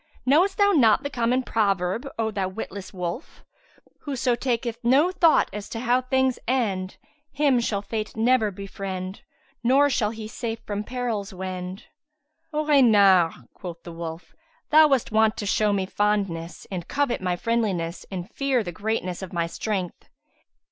Knowest thou not the common proverb, O thou witless wolf, 'Whoso taketh no thought as to how things end, him shall Fate never befriend nor shall he safe from perils wend." "O Reynard," quoth the wolf, "thou was wont to show me fondness and covet my friendliness and fear the greatness of my strength.